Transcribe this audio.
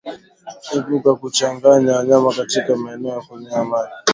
Epuka kuchanganya wanyama katika maeneo ya kunywea maji